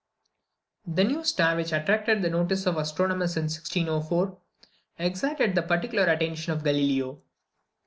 The new star which attracted the notice of astronomers in 1604, excited the particular attention of Galileo.